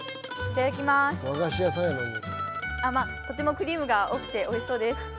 とてもクリームが多くておいしそうです！